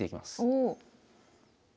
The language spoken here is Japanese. おお。